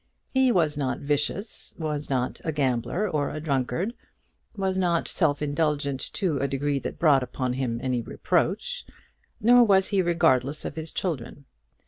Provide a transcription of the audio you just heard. He was not vicious, was not a gambler or a drunkard, was not self indulgent to a degree that brought upon him any reproach; nor was he regardless of his children.